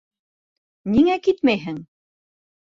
Ниңә китмәйһең?